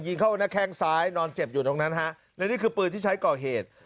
เข้าหน้าแข้งซ้ายนอนเจ็บอยู่ตรงนั้นฮะและนี่คือปืนที่ใช้ก่อเหตุ